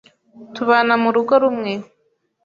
tubana mu rugo rumwe